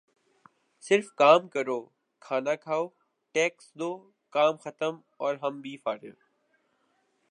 صرف کام کرو کھانا کھاؤ ٹیکس دو کام ختم اور ہم بھی فارخ